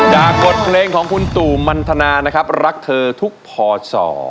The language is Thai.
บทเพลงของคุณตู่มันทนานะครับรักเธอทุกพศ